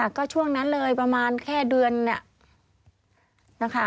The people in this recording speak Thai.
ก็ช่วงนั้นเลยประมาณแค่เดือนเนี่ยนะคะ